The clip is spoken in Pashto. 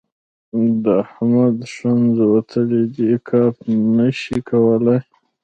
د احمد ښنځ وتلي دي؛ کار نه شي کولای.